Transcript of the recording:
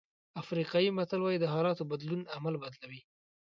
افریقایي متل وایي د حالاتو بدلون عمل بدلوي.